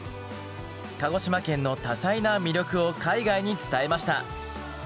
鹿児島県の多彩な魅力を海外に伝えました。